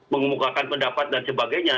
mengumumkan pendapat dan sebagainya